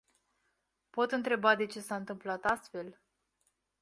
Pot întreba de ce s-a întâmplat astfel?